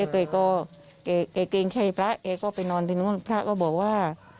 เขาก็เขาเกรงใจพระเขาก็ไปนอนที่นู่นพระก็บอกว่า